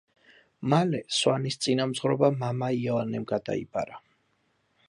მალე, სავანის წინამძღვრობა მამა იოანემ გადაიბარა.